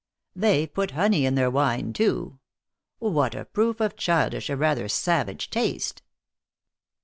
They put honey in their wine, too ! What a proof of childish, or rather, savage taste!